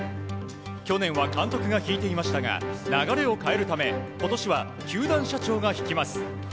去年は監督が引いていましたが流れを変えるため今年は球団社長が引きます。